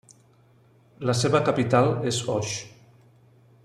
La seva capital és Oix.